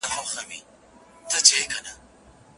.پښتون یو دی که اټک که کندهار دی